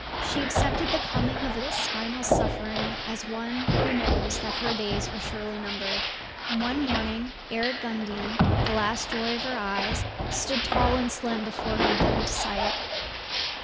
She accepted the coming of this final suffering as one who knows that her days are surely numbered. One morning Eric Gundian, the last joy of her eyes, stood tall and slim before her dimmed sight.